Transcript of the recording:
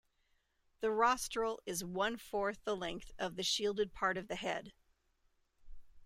The rostral is one-fourth the length of the shielded part of the head.